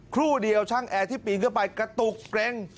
ครู่เดียวช่างแอร์ที่ปีนขึ้นไปกระตุกเกร็ง